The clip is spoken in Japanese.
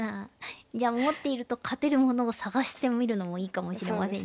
じゃあ持っていると勝てるものを探してみるのもいいかもしれませんね。